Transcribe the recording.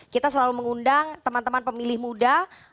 kita selalu mengundang teman teman pemilih muda